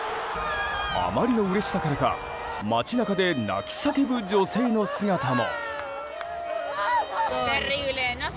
あまりのうれしさからか街中で泣き叫ぶ女性の姿も。